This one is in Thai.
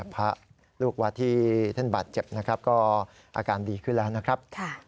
พระลูกวัดที่ท่านบาดเจ็บนะครับก็อาการดีขึ้นแล้วนะครับ